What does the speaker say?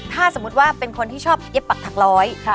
ถ้าสมมุติว่าเป็นคนที่ชอบเย็บปักถักร้อย